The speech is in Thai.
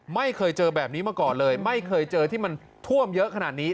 ไม่เคยเจอแบบนี้มาก่อนเลยไม่เคยเจอที่มันท่วมเยอะขนาดนี้